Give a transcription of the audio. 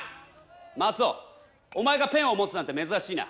マツオお前がペンを持つなんてめずらしいな。